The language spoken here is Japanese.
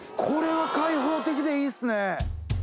これは開放的でいいっすね。